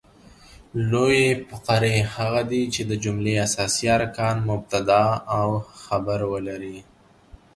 لویي فقرې هغه دي، چي د جملې اساسي ارکان مبتداء او خبر ولري.